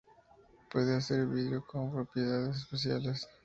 Puede hacer vidrio con propiedades especiales.